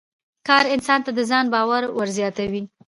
کار انسان ته د ځان باور ور زیاتوي